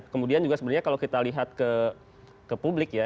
kemudian juga sebenarnya kalau kita lihat ke publik ya